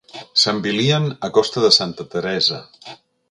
S'envilien a costa de Santa Teresa.